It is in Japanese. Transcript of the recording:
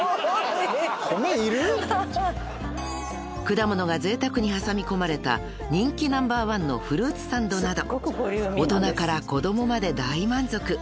［果物がぜいたくに挟み込まれた人気ナンバーワンのフルーツサンドなど大人から子供まで大満足］